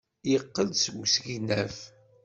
Yeqqel-d seg usegnaf.